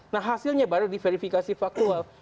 nah hasilnya baru diverifikasi faktual